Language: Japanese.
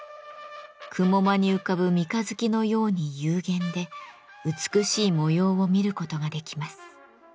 雲間に浮かぶ三日月のように幽玄で美しい模様を見ることができます。